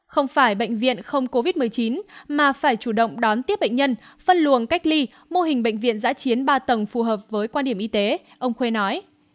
không phải bệnh viện không covid một mươi chín mà phải chủ động đón tiếp bệnh nhân phân luồng cách ly mô hình bệnh viện giã chiến ba tầng phù hợp với quan điểm y tế ông khuê nói